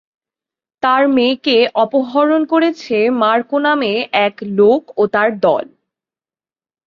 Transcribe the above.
তার মেয়েকে অপহরণ করেছে মার্কো নামে এক লোক ও তার দল।